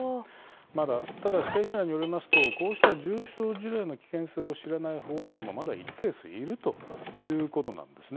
ただ歯科医師らによりますとこうした重症事例の危険性を知らない保護者もまだ一定数いるということです。